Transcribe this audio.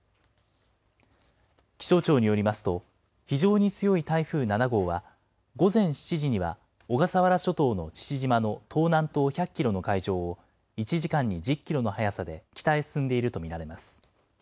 気象庁によりますと、非常に強い台風７号は、午前７時には小笠原諸島の父島の東南東１００キロの海上を、１時間に１０キロの速さで北へ進んでいると見られます。